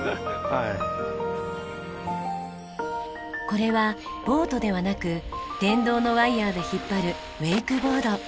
これはボートではなく電動のワイヤで引っ張るウェイクボード。